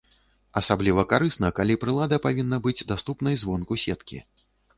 Асабліва карысна, калі прылада павінна быць даступнай звонку сеткі.